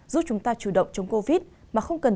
giúp chúng ta chủ động chống covid mà không cần